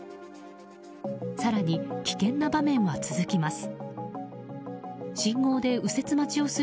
更に危険な場面は続きます。